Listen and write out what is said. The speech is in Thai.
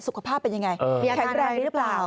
สุขภาพเป็นยังไงแข็งแรงดีหรือเปล่า